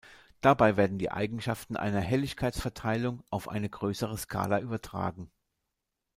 Dabei werden die Eigenschaften einer Helligkeitsverteilung auf eine größere Skala übertragen.